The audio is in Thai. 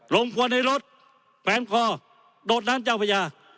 ลงกวนในรถแปมคอโดดนั้นเจ้าพระยา